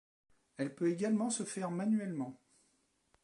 Elle peut également se faire manuellement.